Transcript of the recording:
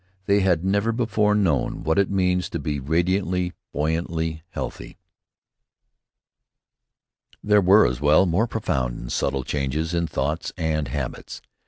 They had never before known what it means to be radiantly, buoyantly healthy. There were, as well, more profound and subtle changes in thoughts and habits.